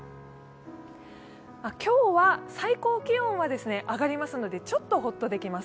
今日は最高気温は上がりますので、ちょっとホッとできます。